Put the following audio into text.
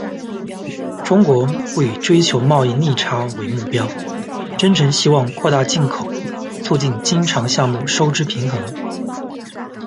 中国不以追求贸易逆差为目标，真诚希望扩大进口，促进经常项目收支平衡。